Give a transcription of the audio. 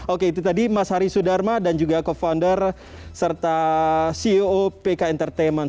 oke itu tadi mas hari sudharma dan juga co founder serta ceo pk entertainment